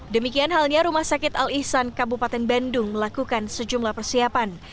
demikian halnya rumah sakit al ihsan kabupaten bandung melakukan sejumlah persiapan